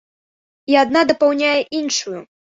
І адна дапаўняе іншую.